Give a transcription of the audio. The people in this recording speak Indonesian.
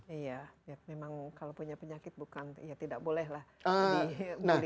memang kalau punya penyakit bukan ya tidak bolehlah dibully